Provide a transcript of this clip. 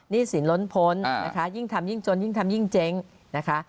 สินล้นพ้นนะคะยิ่งทำยิ่งจนยิ่งทำยิ่งเจ๊งนะคะ